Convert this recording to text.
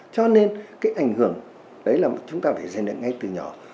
cho nên cái ảnh hưởng đấy là chúng ta phải giải định ngay từ nhỏ